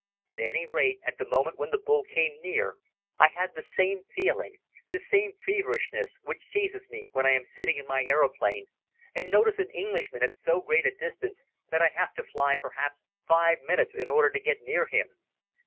At any rate, at the moment when the bull came near I had the same feeling, the same feverishness which seizes me when I am sitting in my aeroplane and notice an Englishman at so great a distance that I have to fly perhaps five minutes in order to get near him.